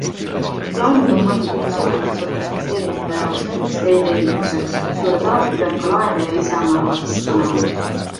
Laenud on mõeldud ikka suuremat sorti investeeringute jaoks, näiteks teedeehituseks, kusjuures alati peab ka laenaja ise oma raha sisse panema.